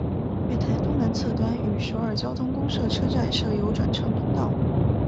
月台东南侧端与首尔交通公社车站设有转乘通道。